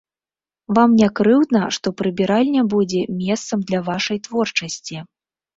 Вам не крыўдна, што прыбіральня будзе месцам для вашай творчасці?